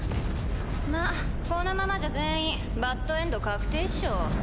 まっこのままじゃ全員バッドエンド確定っしょ。